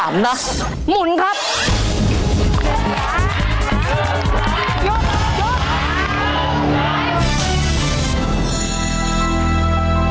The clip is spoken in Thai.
ไม่น่าถามนะ